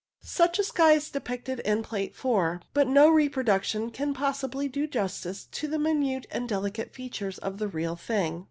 Such a sky is depicted in Plate 4, but no reproduction can possibly do justice to the minute and delicate features of the real thing.